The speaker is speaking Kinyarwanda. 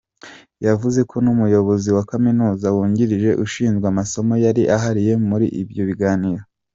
Yavuze ko n’Umuyobozi wa Kaminuza wungirije ushinzwe amasomo yari ahari muri ibyo biganiro.